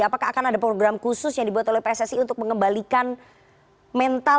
apakah akan ada program khusus yang dibuat oleh pssi untuk mengembalikan mental